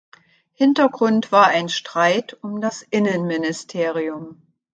Hintergrund war ein Streit um das Innenministerium.